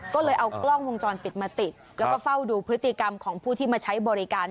ก็เลยเอากล้องวงจรปิดมาติดแล้วก็เฝ้าดูพฤติกรรมของผู้ที่มาใช้บริการ